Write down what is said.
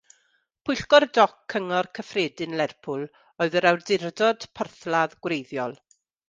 Pwyllgor Doc Cyngor Cyffredin Lerpwl oedd yr awdurdod porthladd gwreiddiol.